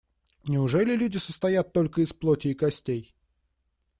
Неужели люди состоят только из плоти и костей?